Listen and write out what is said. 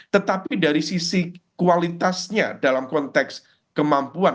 tetapi dari sisi kualitasnya dalam konteks kemampuan